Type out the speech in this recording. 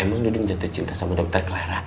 emang duding jatuh cinta sama dokter clara